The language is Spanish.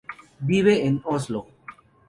Vive en Oslo.